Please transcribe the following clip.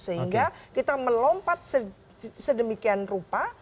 sehingga kita melompat sedemikian rupa